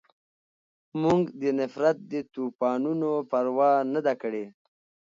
مونږ د نفرت د طوپانونو پروا نه ده کړې